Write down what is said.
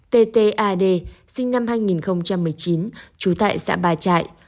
ttad sinh năm hai nghìn một mươi chín trú tại xã bà trại